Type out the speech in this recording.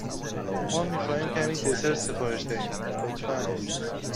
ما می خواهیم کمی دسر سفارش دهیم، لطفا.